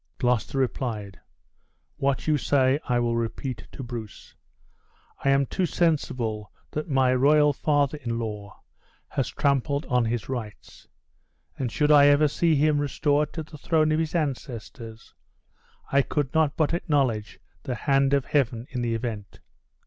Gloucester replied, "What you say I will repeat to Bruce. I am too sensible that my royal father in law has trampled on his rights; and should I ever see him restored to the throne of his ancestors, I could not but acknowledge the hand of Heaven in the event.